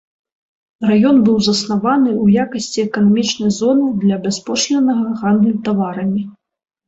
Раён быў заснаваны ў якасці эканамічнай зоны для бяспошліннага гандлю таварамі.